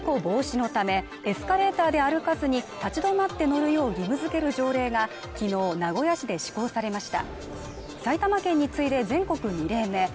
事故防止のため、エスカレーターで歩かずに立ち止まって乗るよう義務づける条例が昨日、名古屋市で施行されました。